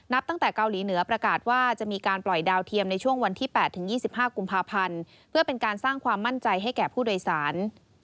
ตั้งแต่เกาหลีเหนือประกาศว่าจะมีการปล่อยดาวเทียมในช่วงวันที่๘๒๕กุมภาพันธ์เพื่อเป็นการสร้างความมั่นใจให้แก่ผู้โดยสาร